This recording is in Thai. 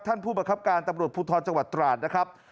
ผู้บังคับการตำรวจภูทรจังหวัดตราดนะครับ